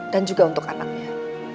dan juga untuk anaknya